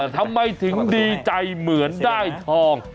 ทำไมถึงดีใจเหมือนได้ทอง